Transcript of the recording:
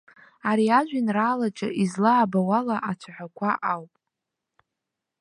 Ари ажәеинраалаҿы излаабауала ацәаҳәақәа ауп.